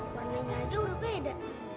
warnanya aja udah beda